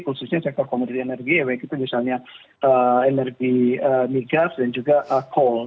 khususnya sektor commodity energy yaitu misalnya energi mi gas dan juga coal